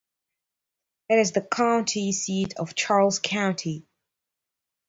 It is the county seat of Charles County.